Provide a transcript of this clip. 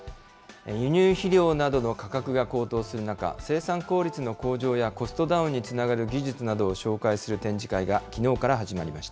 輸入肥料などの価格が高騰する中、生産効率の向上やコストダウンにつながる技術などを紹介する展示